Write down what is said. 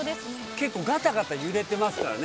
結構ガタガタ揺れてますからね。